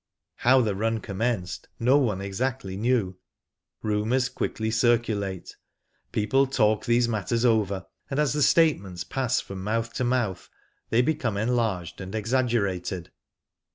How the run commenced, no one exactly knew. Rumours quickly circulate. People talk these matters over, and as the statements pass from mouth to mouth they become enlarged and ex aggerated.